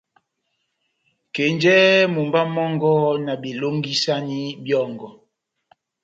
Kenjɛhɛ mumba mɔngɔ, na belongisani byɔ́ngɔ,